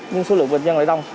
nhưng số lượng bệnh nhân lại đông